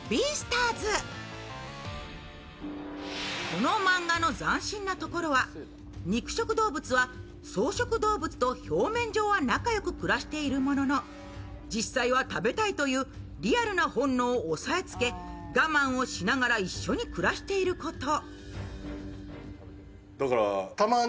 この漫画の斬新なところは肉食動物は草食動物と表面上は仲良く暮らしているものの実際は食べたいというリアルな本能を押さえつけ我慢をしながら一緒に暮らしていること。